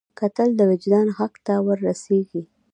کتل د وجدان غږ ته ور رسېږي